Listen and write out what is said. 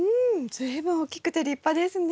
随分大きくて立派ですね。